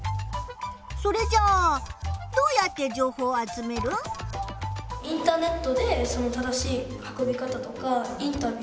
それじゃあどうやって情報を集める？と思います。